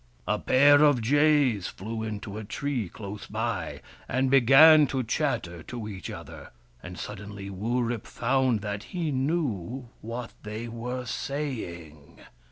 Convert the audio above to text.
A pair of jays flew into a tree close by, and began to chatter to each other, and suddenly Wurip found that he knew what they were saying.